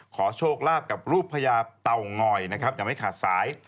ขอโชคลาภกับรูปพญาเต่างอยนะครับยังไม่ขาดสาย